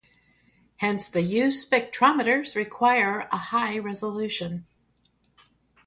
Hence the used spectrometers require a high resolution.